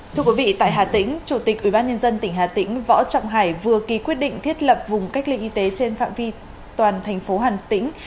thưa quý vị tại hà tĩnh chủ tịch ubnd tỉnh hà tĩnh võ trọng hải vừa ký quyết định thiết lập vùng cách ly y tế trên phạm vi toàn thành phố hà tĩnh